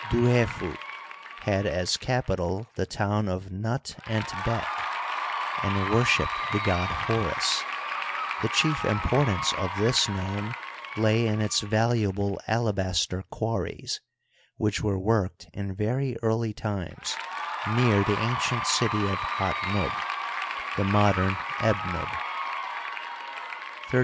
Duhefu had as capital the town of Nut ent Bek and worshiped the god Horus, The chief importance of this nome lay in its valuable alabaster quarries, which were worked in very early times, near the ancient city of Hat nub, the modern ^bnub, XIII.